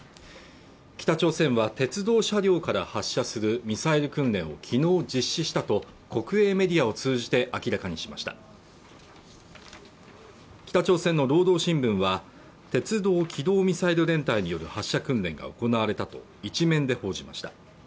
北朝鮮は鉄道車両から発射するミサイル訓練を昨日実施したと国営メディアを通じて明らかにしました北朝鮮の労働新聞は鉄道機動ミサイル連隊による発射訓練が行われたと一面で報じました